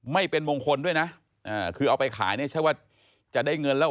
ไม่เป็นมงคลด้วยนะคือเอาไปขายเนี่ยใช่ว่าจะได้เงินแล้ว